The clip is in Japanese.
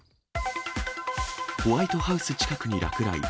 ホワイトハウス近くに落雷。